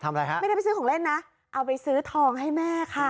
อะไรฮะไม่ได้ไปซื้อของเล่นนะเอาไปซื้อทองให้แม่ค่ะ